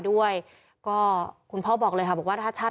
ส่วนของชีวาหาย